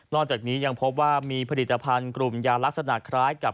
จากนี้ยังพบว่ามีผลิตภัณฑ์กลุ่มยาลักษณะคล้ายกับ